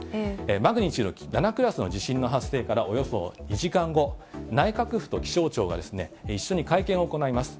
マグニチュード７クラスの地震の発生からおよそ２時間後、内閣府と気象庁が一緒に会見を行います。